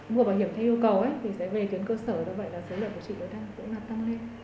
mùa bảo hiểm theo yêu cầu thì sẽ về tuyến cơ sở đó vậy là số lượng của trị đó cũng là tăng lên